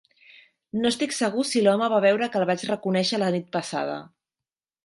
No estic segur si l"home va veure que el vaig reconèixer la nit passada.